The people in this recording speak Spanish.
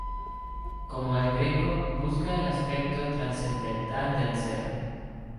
Como El Greco, busca el aspecto trascendental del ser.